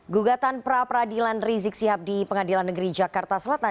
gugatan pra peradilan rizik sihab di pengadilan negeri jakarta selatan